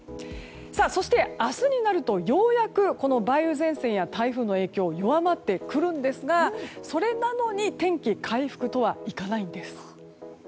そして、明日になるとようやくこの梅雨前線や台風の影響が弱まってくるんですがそれなのに、天気回復とはいかないんです。